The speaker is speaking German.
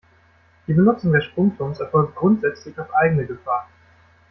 Die Benutzung des Sprungturms erfolgt grundsätzlich auf eigene Gefahr.